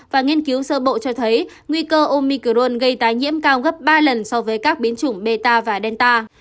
và nghiên cứu sơ bộ cho thấy nguy cơ omicron gây tái nhiễm cao gấp ba lần so với các biến chủng meta và delta